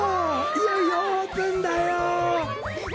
いよいよオープンだよ！